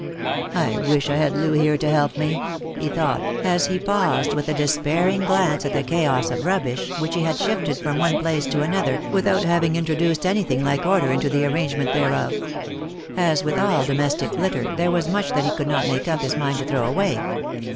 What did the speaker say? " I wish I had Loo here to help me," he thought, as he pauseJ with a despairing glance at the chaos of rubbish which he had shifted from one place to another, without having introduced anything like order into the arrangement thereof. As with all domestic litter, there was much that he could not make up his mind to throw away.